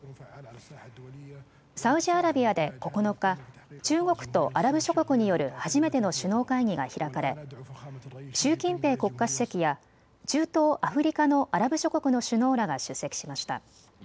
サウジアラビアで９日、中国とアラブ諸国による初めての首脳会議が開かれ習近平国家主席や中東、アフリカのアラブ諸国の首脳らが出席しました。